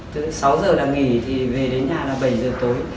từ sáu giờ là nghỉ thì về đến nhà là bảy giờ tối